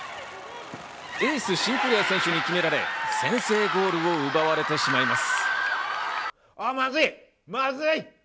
エース、シンクレア選手に決められ先制ゴールを奪われてしまいます。